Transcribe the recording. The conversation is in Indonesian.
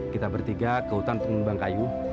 kita bertiga ke hutan untuk membang kayu